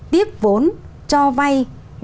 tiếp vốn cho vay